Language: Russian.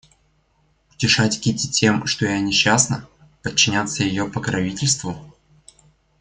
Утешать Кити тем, что я несчастна, подчиняться ее покровительству?